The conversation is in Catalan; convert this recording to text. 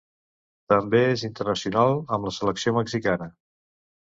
També és internacional amb la selecció mexicana.